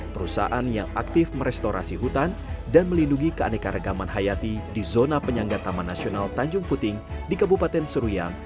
perusahaan yang aktif merestorasi hutan dan melindungi keanekaragaman hayati di zona penyangga taman nasional tanjung puting di kabupaten seruyang